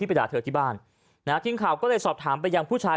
ไปด่าเธอที่บ้านนะฮะทีมข่าวก็เลยสอบถามไปยังผู้ชาย